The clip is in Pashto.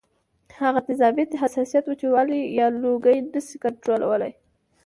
هغه تیزابیت ، حساسیت ، وچوالی یا لوګی نشي کنټرول کولی